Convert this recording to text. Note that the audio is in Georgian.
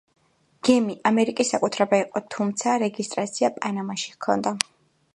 გემი ამერიკის საკუთრება იყო, თუმცა რეგისტრაცია პანამაში ჰქონდა.